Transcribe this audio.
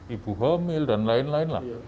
ibu hamil dan lain lain lah